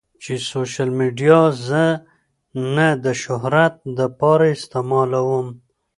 چې سوشل ميډيا زۀ نۀ د شهرت د پاره استعمالووم